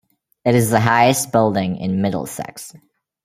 It is the highest building in Middlesex.